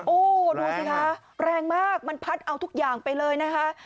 โอ้โหดูสิคะแรงมากมันพัดเอาทุกอย่างไปเลยนะคะ